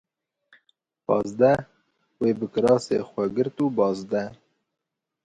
Panzdeh wê bi kirasê xwe girt û baz de